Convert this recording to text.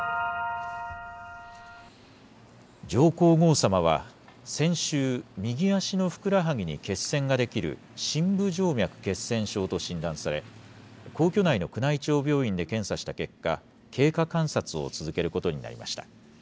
上皇后さまは、先週、右足のふくらはぎに血栓ができる深部静脈血栓症と診断され、皇居内の宮内庁病院で検査した結果、経過観察を続けることになりました。